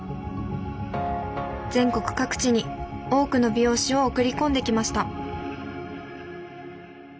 全国各地に多くの美容師を送り込んできました